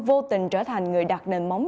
vô tình trở thành người đặt nền móng